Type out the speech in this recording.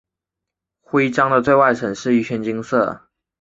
徽章的最外层是一圈金色。